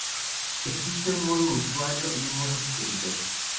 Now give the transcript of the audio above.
Existe un modo usuario y un modo supervisor.